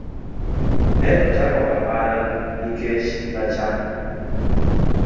Ne ochako ohala nikech nachako.